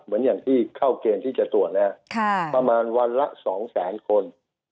เหมือนอย่างที่เข้าเกณฑ์ที่จะตรวจแล้วประมาณวันละ๒แสนคน